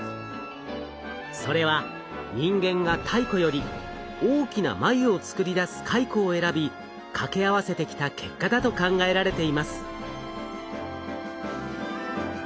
それは人間が太古より大きな繭を作り出すカイコを選び掛け合わせてきた結果だと考えられています。